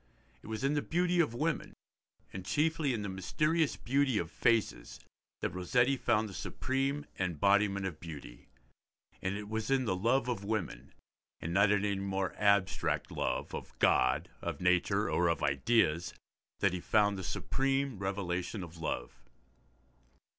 It was in the beauty of women, and chiefly in the mysterious beauty of faces, that Rossetti found the supreme embodiment of beauty; and it was in the love of women, and not in any more abstract love, of God, of nature, or of ideas, that he found the supreme revelation of love.